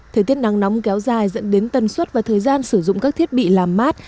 thời tiết nắng nóng kéo dài dẫn đến tân suất và thời gian sử dụng các thiết bị làm mát